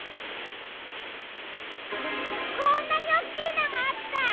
こんなに大きいのがあった！